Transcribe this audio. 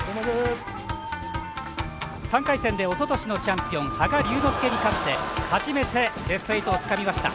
３回戦でおととしのチャンピオン羽賀龍之介に勝って初めてベスト８をつかみました。